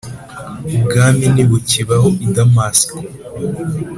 ubwami ntibukibaho i Damasiko